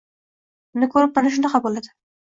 Buni koʻrib mana shunaqa boʻladi.